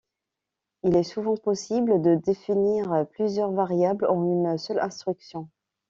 Il est souvent possible de définir plusieurs variables en une seule instruction.